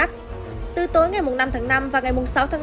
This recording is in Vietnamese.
từ tối ngày mùng năm tháng năm và ngày mùng sáu tháng năm